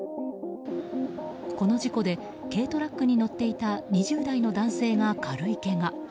この事故で軽トラックに乗っていた２０代の男性が軽いけが。